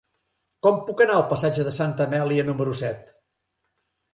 Com puc anar al passatge de Santa Amèlia número set?